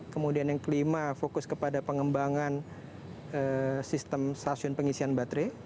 kemudian yang kelima fokus kepada pengembangan sistem stasiun pengisian baterai